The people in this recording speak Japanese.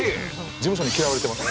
事務所に嫌われてます。